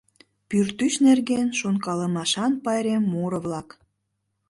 Пӱртӱс нерген, шонкалымашан пайрем муро-влак.